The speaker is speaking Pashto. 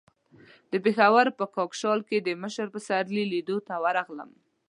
د پېښور په کاکشال کې د مشر پسرلي لیدو ته ورغلم.